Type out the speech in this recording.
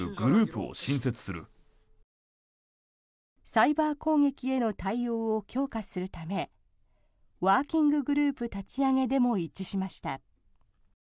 サイバー攻撃への対応を強化するためワーキンググループ立ち上げでも一致しました。